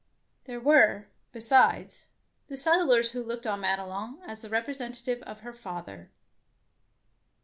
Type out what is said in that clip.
There were, besides, the set tlers who looked on Madelon as the representative of her father.